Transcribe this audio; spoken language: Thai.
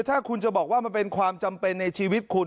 ถ้าคุณจะบอกว่ามันเป็นความจำเป็นในชีวิตคุณ